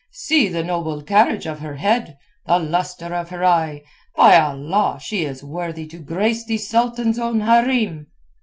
See the noble carriage of her head, the lustre of her eye! By Allah, she is worthy to grace the Sultan's own hareem."